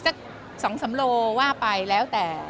อยากผอมกว่านี้อีกสัก๒๓โลว่าไปแล้วแต่